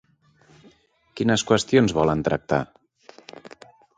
Quines qüestions volen tractar?